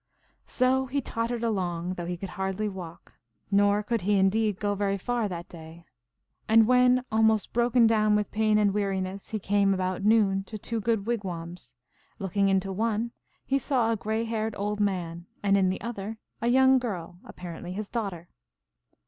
So he tottered along, though he could hardly walk ; nor could he, indeed, go very far that day. And when almost broken down with pain and weariness, he came about noon to two good wigwams. Looking into one, he saw a gray haired old man, and in the other a young girl, apparently his daughter.